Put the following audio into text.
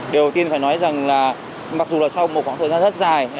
điều tiên phải nói rằng là mặc dù là sau một khoảng thời gian rất dài